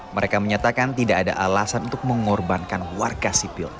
mereka menyatakan tidak ada alasan untuk mengorbankan warga sipil